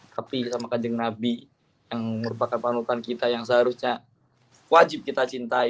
tapi sama kanjeng nabi yang merupakan panutan kita yang seharusnya wajib kita cintai